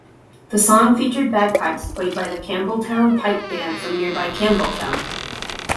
The song featured bagpipes played by the Campbeltown Pipe Band from nearby Campbeltown.